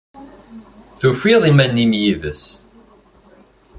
Tufiḍ iman-im yid-s?